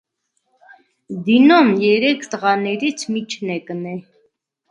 Դինոն երեք տղաներից միջնեկն է։